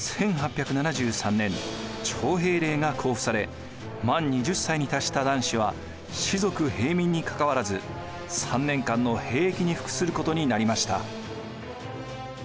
１８７３年徴兵令が公布され満２０歳に達した男子は士族平民にかかわらず３年間の兵役に服することになりました。